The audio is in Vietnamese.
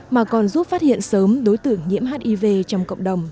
mà còn giúp phát hiện sớm đối tượng nhiễm hiv trong cộng đồng